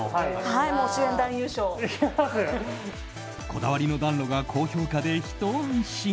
こだわりの暖炉が高評価でひと安心。